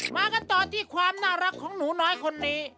มากันต่อที่ความน่ารักของหนูน้อยคนนี้